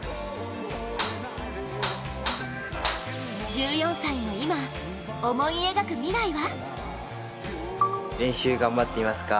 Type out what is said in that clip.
１４歳が今、思い描く未来は？